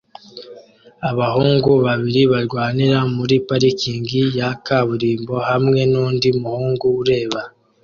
Abahungu babiri barwanira muri parikingi ya kaburimbo hamwe nundi muhungu ureba